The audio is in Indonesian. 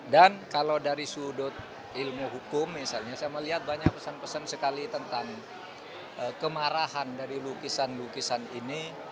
dan kalau dari sudut ilmu hukum misalnya saya melihat banyak pesan pesan sekali tentang kemarahan dari lukisan lukisan ini